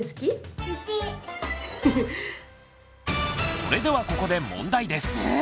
それではここで問題です。